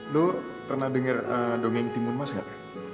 lu pernah denger dongeng timun mas gak